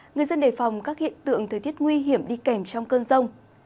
người dân đề phòng các hiện tượng thời tiết nguy hiểm đi kèm trong cơn rông